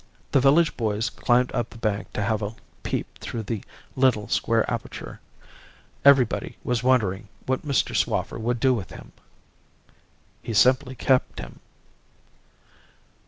The village boys climbed up the bank to have a peep through the little square aperture. Everybody was wondering what Mr. Swaffer would do with him. "He simply kept him.